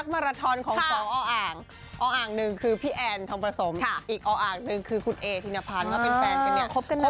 ข่าวนี้เม้าได้